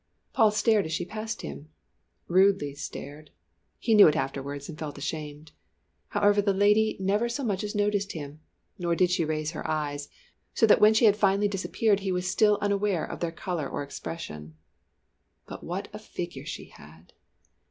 Paul stared as she passed him rudely stared he knew it afterwards and felt ashamed. However, the lady never so much as noticed him, nor did she raise her eyes, so that when she had finally disappeared he was still unaware of their colour or expression. But what a figure she had!